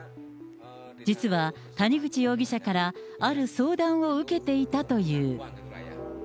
実は谷口容疑者から、ある相談を受けていたという。